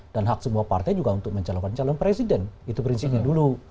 dan hak semua partai juga untuk mencalonkan calon presiden itu prinsipnya dulu